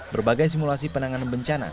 berbagai simulasi penanganan bencana